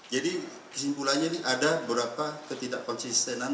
jadi kesimpulannya ini ada berapa ketidak konsistenan